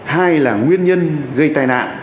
hai là nguyên nhân gây tai nạn